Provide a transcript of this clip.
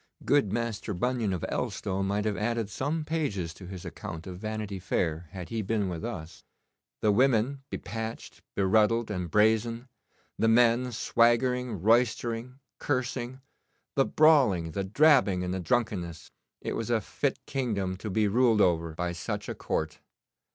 Good Master Bunyan, of Elstow, might have added some pages to his account of Vanity Fair had he been with us. The women, be patched, be ruddled, and brazen; the men swaggering, roistering, cursing the brawling, the drabbing, and the drunkenness! It was a fit kingdom to be ruled over by such a court.